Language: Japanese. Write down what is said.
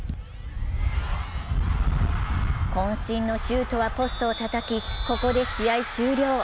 こん身のシュートはポストをたたき、ここで試合終了。